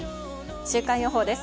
週間予報です。